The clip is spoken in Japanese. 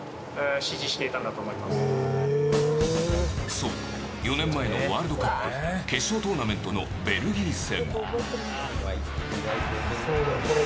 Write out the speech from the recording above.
そう、４年前のワールドカップ決勝トーナメントのベルギー戦。